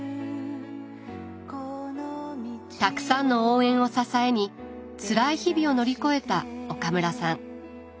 たくさんの応援を支えにつらい日々を乗り越えた岡村さん。